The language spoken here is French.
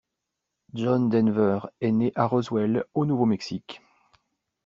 John Denver est né à Roswell, au Nouveau-Mexique.